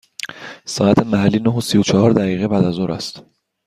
ساعت محلی نه و سی و چهار دقیقه بعد از ظهر است.